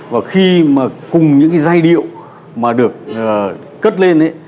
và khi mà cùng những cái giai điệu mà được cất lên ấy